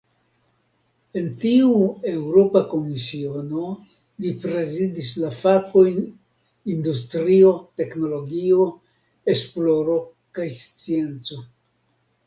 En tiu Eŭropa Komisiono, li prezidis la fakojn "industrio, teknologio, esploro kaj scienco".